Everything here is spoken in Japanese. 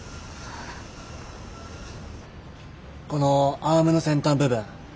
このアームの先端部分。